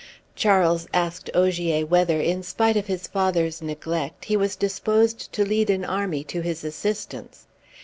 Charles asked Ogier whether, in spite of his father's neglect, he was disposed to lead an army to his assistance.